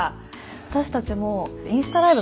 私たちもインスタライブ